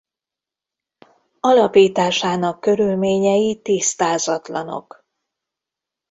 Alapításának körülményei tisztázatlanok.